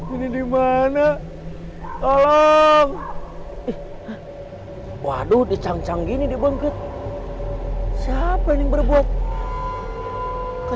ini dimana tolong waduh dicangcang gini dibengket siapa ini berbuat